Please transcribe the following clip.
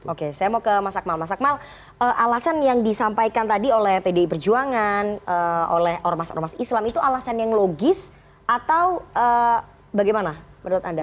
oke saya mau ke mas akmal mas akmal alasan yang disampaikan tadi oleh pdi perjuangan oleh ormas ormas islam itu alasan yang logis atau bagaimana menurut anda